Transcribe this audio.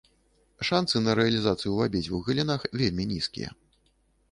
Шанцы на рэалізацыю ў абедзвюх галінах вельмі нізкія.